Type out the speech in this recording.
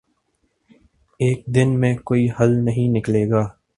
ایک دن میں کوئی حل نہیں نکلے گا۔